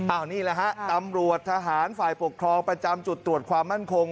อันนี้แหละฮะตำรวจทหารฝ่ายปกครองประจำจุดตรวจความมั่นคง